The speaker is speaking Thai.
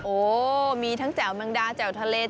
โอ้มีทั้งแจ๋วแมงดาแจ่วทะเล